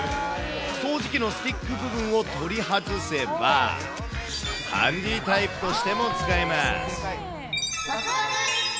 掃除機のスティック部分を取り外せば、ハンディタイプとしても使えます。